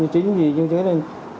chính vì như thế này